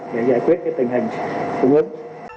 để giải quyết tình hình cung ứng